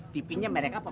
tv nya merek apa pak